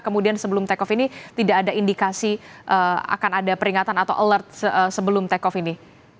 kemudian sebelum take off ini tidak ada indikasi akan ada peringatan atau alert sebelum take off ini